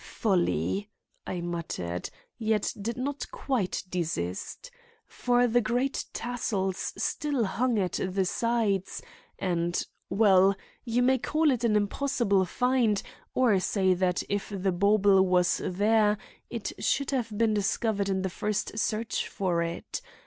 "Folly," I muttered, yet did not quite desist. For the great tassels still hung at the sides and— Well! you may call it an impossible find or say that if the bauble was there it should have been discovered in the first search for it!